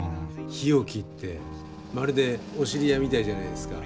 日置ってまるでお知り合いみたいじゃないですか。